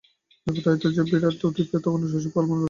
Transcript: ব্যাপারটা যে এত বিরাট হইয়া উঠিবে তখনো শশী কল্পনা করে নাই।